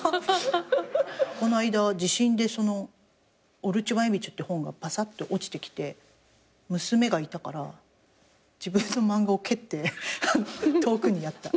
この間地震で『おるちゅばんエビちゅ』って本がパサッて落ちてきて娘がいたから自分の漫画を蹴って遠くにやった。